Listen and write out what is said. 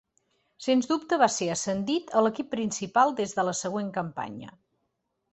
Sens dubte va ser ascendit a l"equip principal des de la següent campanya.